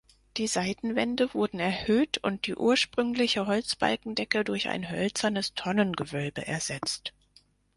Die Seitenwände wurden erhöht und die ursprüngliche Holzbalkendecke durch ein hölzernes Tonnengewölbe ersetzt.